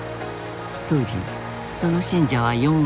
当時その信者は４億人。